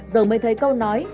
giờ mới thấy câu nói